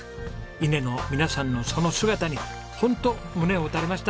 伊根の皆さんのその姿にホント胸を打たれました。